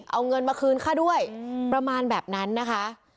เอาเงินมาคืนค่าด้วยประมาณแบบนั้นนะคะ